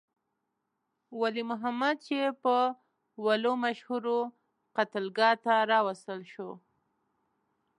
ولی محمد چې په ولو مشهور وو، قتلګاه ته راوستل شو.